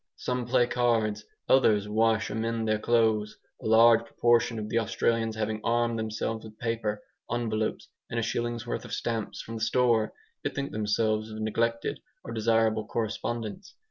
Some play cards, others wash or mend their clothes. A large proportion of the Australians having armed themselves with paper, envelopes, and a shilling's worth of stamps from the store, bethink themselves of neglected or desirable correspondents.